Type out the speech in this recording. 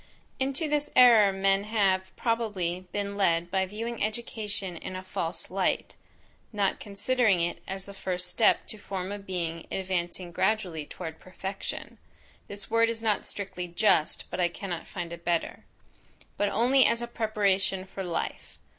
Into this error men have, probably, been led by viewing education in a false light; not considering it as the first step to form a being advancing gradually toward perfection; (This word is not strictly just, but I cannot find a better.) but only as a preparation for life.